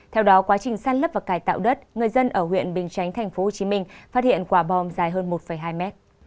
theo đó quá trình sát lấp và cải tạo đất người dân ở huyện bình chánh tp hcm phát hiện quả bom dài hơn một hai mét